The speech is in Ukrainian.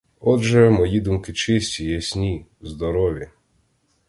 Отже, мої думки чисті, ясні, здорові.